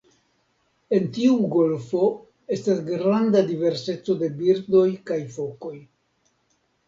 En tiu golfo estas granda diverseco de birdoj kaj fokoj.